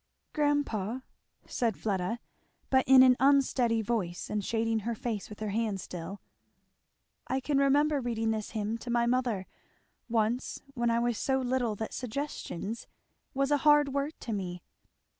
"Grandpa," said Fleda, but in an unsteady voice, and shading her face with her hand still, "I can remember reading this hymn to my mother once when I was so little that 'suggestions' was a hard word to me."